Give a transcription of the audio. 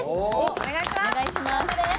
お願いします。